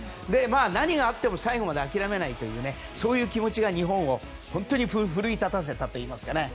何があっても最後まで諦めないというそういう気持ちが、日本を奮い立たせたといいますか。